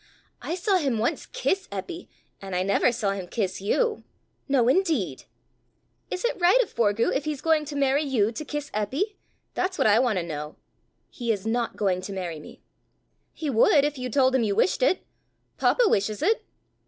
"I saw him once kiss Eppy, and I never saw him kiss you!" "No, indeed!" "Is it right of Forgue, if he's going to marry you, to kiss Eppy? That's what I want to know!" "He is not going to marry me." "He would, if you told him you wished it. Papa wishes it."